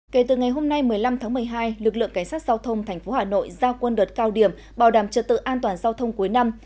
kể từ ngày hôm nay một mươi năm tháng một mươi hai lực lượng cảnh sát giao thông tp hà nội giao quân đợt cao điểm bảo đảm trật tự an toàn giao thông cuối năm